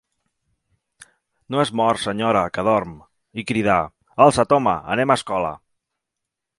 «No és mort, senyora, que dorm.» I cridà: «Alça’t, home, anem a escola!»